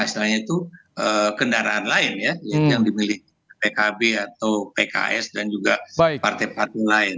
istilahnya itu kendaraan lain ya yang dipilih pkb atau pks dan juga partai partai lain